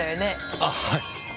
あっはい。